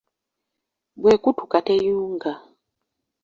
Bw'ekutuka teyunga.